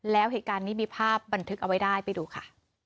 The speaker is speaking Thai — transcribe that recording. แล้วเหตุการณ์นี้มีภาพบันทึกเอาไว้ได้ไปดูค่ะ